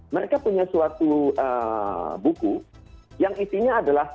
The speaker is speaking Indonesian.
mereka punya suatu buku yang isinya adalah